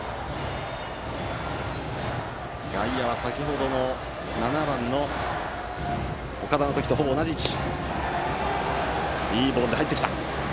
外野は先程の７番、岡田の時とほぼ同じ位置。